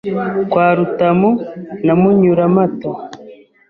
Kwa Rutamu na Munyuramato